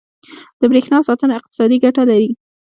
• د برېښنا ساتنه اقتصادي ګټه لري.